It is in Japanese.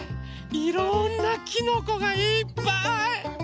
いろんなきのこがいっぱい！